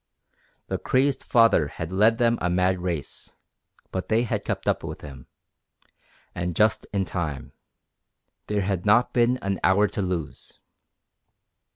The crazed father had led them a mad race, but they had kept up with him. And just in time. There had not been an hour to lose.